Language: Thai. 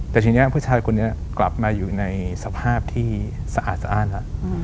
แต่ทีนี้ผู้ชายคนนี้กลับมาอยู่ในสภาพที่สะอาดสะอ้านแล้ว